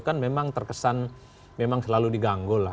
kan memang terkesan memang selalu diganggu lah